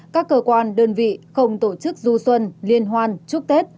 các cơ quan đơn vị không tổ chức du xuân liên hoan chúc tết